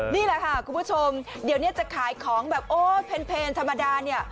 นี่แหละค่ะคุณผู้ชมเดี๋ยวเนี่ยจะขายของแบบโอ๊ยเพนธรรมดาเนี่ย